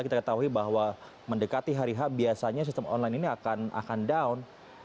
kita ketahui bahwa mendekati hari h biasanya sistem online ini akan down